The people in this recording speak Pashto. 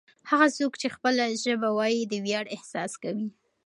هغه څوک چې خپله ژبه وايي د ویاړ احساس کوي.